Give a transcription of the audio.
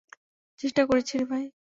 চেষ্টা করছিরে ভাই!